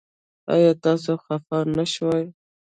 ایا تاسو خفه نه شوئ؟